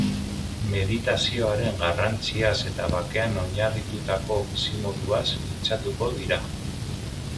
Meditazioaren garrantziaz eta bakean oinarritutako bizimoduaz mintzatuko dira.